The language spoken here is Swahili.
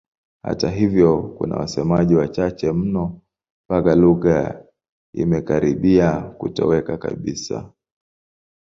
Hata hivyo kuna wasemaji wachache mno mpaka lugha imekaribia kutoweka kabisa.